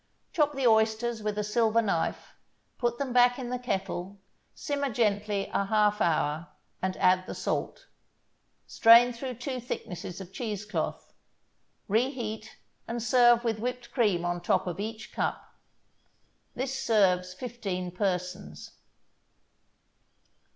Chop the oysters with a silver knife, put them back in the kettle, simmer gently a half hour, and add the salt. Strain through two thicknesses of cheese cloth, reheat and serve with whipped cream on top of each cup. This serves fifteen persons.